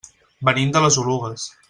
Venim de les Oluges.